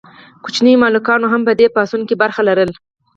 کوچنیو مالکانو هم په دې پاڅون کې برخه لرله.